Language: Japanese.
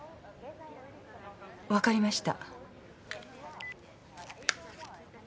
わかりました。